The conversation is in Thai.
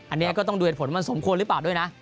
อันนี้ก็ต้องดูเหตุผลมันสมควรหรือเปล่าด้วยนะ